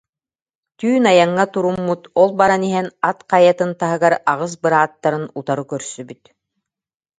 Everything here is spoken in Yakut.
Түүн айаҥҥа туруммут, ол баран иһэн Ат Хайатын таһыгар аҕыс бырааттарын утары көрсүбүт